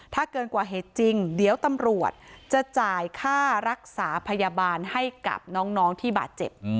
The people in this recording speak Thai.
ถ้าเกินกว่าเหตุจริงเดี๋ยวตำรวจจะจ่ายค่ารักษาพยาบาลให้กับน้องที่บาดเจ็บ